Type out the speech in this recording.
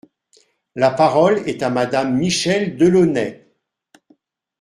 La parole est à Madame Michèle Delaunay.